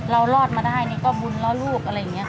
เรารอดมาได้นี่ก็บุญเล่าลูกอะไรอย่างนี้